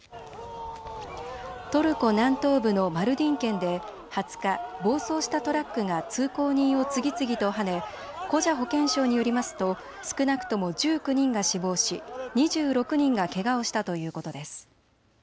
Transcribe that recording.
トルコ南東部のマルディン県で２０日、暴走したトラックが通行人を次々とはねコジャ保健相によりますと少なくとも１９人が死亡し、２６人がけがをしたということです。